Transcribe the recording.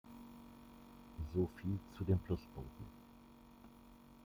So viel zu den Pluspunkten.